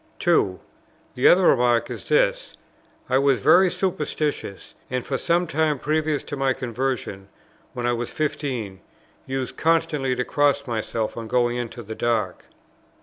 2. The other remark is this: "I was very superstitious, and for some time previous to my conversion" [when I was fifteen] "used constantly to cross myself on going into the dark."